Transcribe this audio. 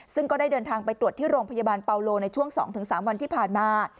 ซึ่งก็ได้เดินทางไปตรวจที่โรงพยาบาลเปาโลในช่วง๒๓วันที่ผ่านมา